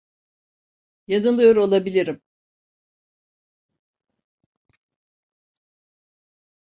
Yanılıyor olabilirim.